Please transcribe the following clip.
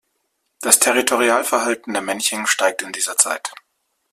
Das Territorialverhalten der Männchen steigt in dieser Zeit.